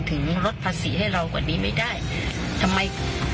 พูดแค่คลาดได้